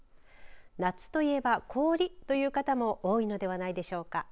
夏といえば氷という方も多いのではないでしょうか。